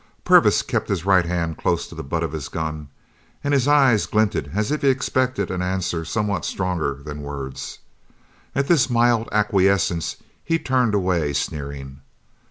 Purvis kept his right hand close to the butt of his gun and his eyes glinted as if he expected an answer somewhat stronger than words. At this mild acquiesence he turned away, sneering.